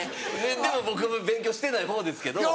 でも僕も勉強してないほうですけど。